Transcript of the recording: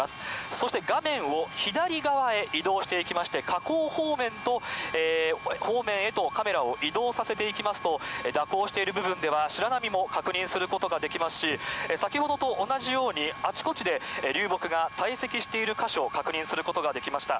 そして画面を左側へ移動していきまして、河口方面へとカメラを移動させていきますと、蛇行している部分では、白波も確認することができますし、先ほどと同じように、あちこちで流木が堆積している箇所を確認することができました。